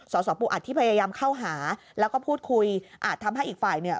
สสปูอัดที่พยายามเข้าหาแล้วก็พูดคุยอาจทำให้อีกฝ่ายเนี่ย